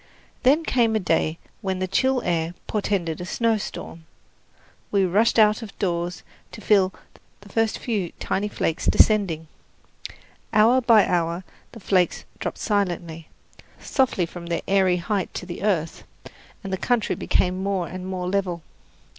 Then came a day when the chill air portended a snowstorm. We rushed out of doors to feel the first few tiny flakes descending. Hour by hour the flakes dropped silently, softly from their airy height to the earth, and the country became more and more level.